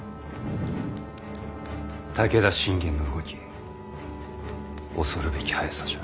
武田信玄の動き恐るべき速さじゃ。